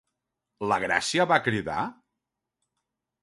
La Gràcia va cridar?